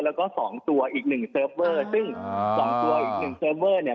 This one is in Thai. แล้วก็สองตัวอีกหนึ่งเซิร์ฟเวอร์ซึ่งสองตัวอีกหนึ่งเซิร์ฟเวอร์เนี่ย